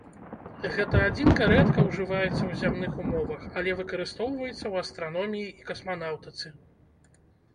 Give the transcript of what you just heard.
Гэта адзінка рэдка ўжываецца ў зямных умовах, але выкарыстоўваецца ў астраноміі і касманаўтыцы.